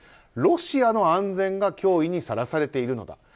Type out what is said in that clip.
ロシアの安全が脅威にさらされているのだ。